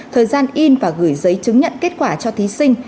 thời gian in và gửi giấy chứng nhận kết quả cho thí sinh